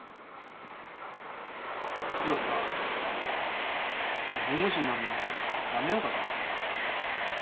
実はさ俺弁護士になるのやめようかと思ってさ。